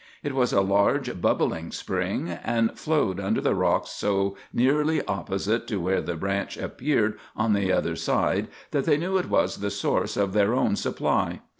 It was a large bubbling spring, and flowed under the rocks so nearly opposite to where the branch appeared on the other side that they knew it was the source of their own supply.